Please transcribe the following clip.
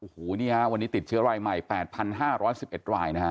โหวเนี่ยวันนี้ติดช่วยวัยใหม่๘๕๑๑รายนะฮะ